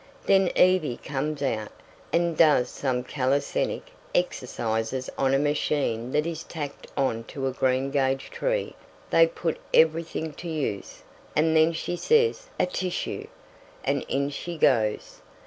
Then Evie comes out, and does some calisthenic exercises on a machine that is tacked on to a greengage tree they put everything to use and then she says 'a tissue,' and in she goes.